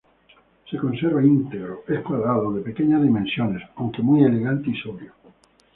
Se conserva integro, es cuadrado de pequeñas dimensiones, aunque muy elegante y sobrio.